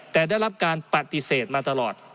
แต่ได้รับการปฏิเสธมาตลอด